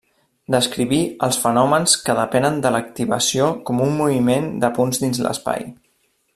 Descriví els fenòmens que depenen de l'activació com un moviment de punts dins l'espai.